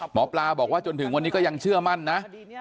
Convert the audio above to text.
หมอปลาบอกว่าจนถึงวันนี้ก็ยังเชื่อมั่นนะ